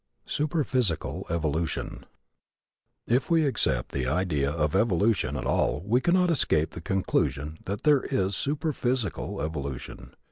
SUPERPHYSICAL EVOLUTION If we accept the idea of evolution at all we cannot escape the conclusion that there is superphysical evolution.